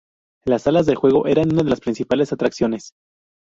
Las salas de juego eran una de las principales atracciones.